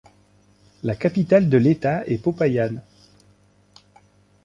La capitale de l'État est Popayán.